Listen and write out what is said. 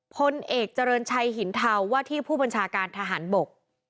พลเอกเจริญชัยหินเทาว่าที่ผู้บัญชาการทหารบก